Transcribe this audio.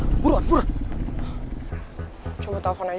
karena belum bisa menjalankan amanat terakhir kinar